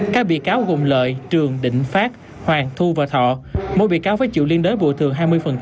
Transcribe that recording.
các bị cáo gồm lợi trường định phát hoàng thu và thọ mỗi bị cáo phải chịu liên đối bồi thường hai mươi